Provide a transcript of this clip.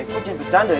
eh kok jadi bercanda ya